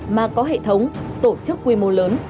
mà có hệ thống tổ chức quy mô lớn